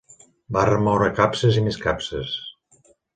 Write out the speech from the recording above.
Va remoure capces i més capces